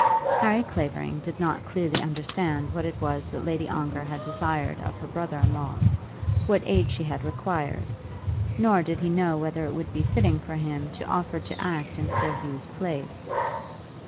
Harry Clavering did not clearly understand what it was that Lady Ongar had desired of her brother in law, what aid she had required; nor did he know whether it would be fitting for him to offer to act in Sir Hugh's place.